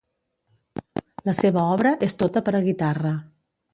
La seva obra és tota per a guitarra.